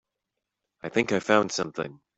I think I found something.